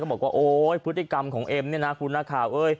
ก็บอกว่าโอ๊ยพฤติกรรมของเอ็มนี่นะคุณหน้าข่าว